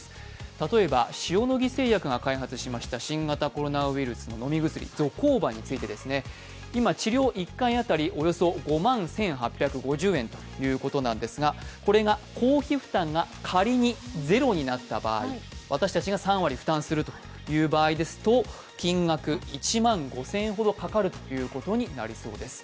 例えば塩野義製薬が開発しました新型コロナウイルスの飲み薬、ゾコーバについてですね、今、治療１回当たりおよそ５万１８５０円ということなんですがこれが公費負担が仮にゼロになった場合、私たちが３割負担する場合ですと、金額、１万５０００円ほどかかることになりそうです